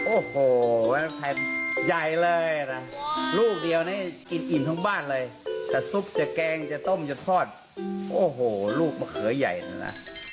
โอ้โหแทนใหญ่เลยนะลูกเดียวนี่อิ่มทั้งบ้านเลยแต่ซุปจะแกงจะต้มจะทอดโอ้โหลูกมะเขือใหญ่นะนะ